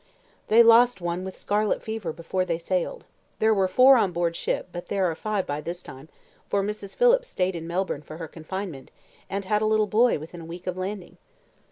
"They lost one with scarlet fever before they sailed. There were four on board ship; but there are five by this time, for Mrs. Phillips stayed in Melbourne for her confinement, and had a little boy within a week of landing."